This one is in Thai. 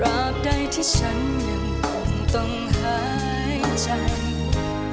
ใดที่ฉันยังคงต้องหายใจ